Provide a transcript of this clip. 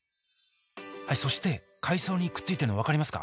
そして海藻にくっついてるの分かりますか？